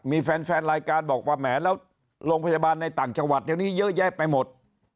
มีแฟนรายการบอกว่าแหมแล้วโรงพยาบาลในต่างจังหวัดเดี๋ยวนี้เยอะแยะไปหมด